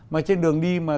mà trên đường đi mà